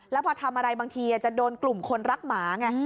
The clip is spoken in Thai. แล้วพอทำอะไรบางทีจะโดนกลุ่มคนรักหมาไง